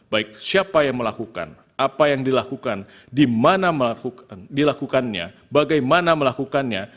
baik siapa yang melakukan apa yang dilakukan di mana dilakukannya bagaimana melakukannya